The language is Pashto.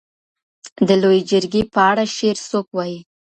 د لویې جرګي په اړه شعر څوک وایي؟